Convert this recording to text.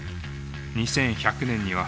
２１００年には４７日。